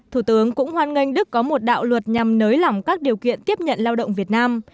thủ tướng cũng hoan nghênh đức có một đạo luật nhằm nới lỏng các điều kiện tiếp nhận lao động việt nam